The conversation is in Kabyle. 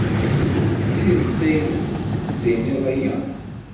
S tidet ay la d-tettinid aya?